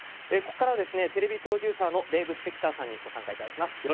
ここからはテレビプロデューサーのデーブ・スペクターさんにご参加いただきます。